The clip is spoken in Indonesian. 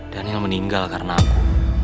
daniel meninggal karena aku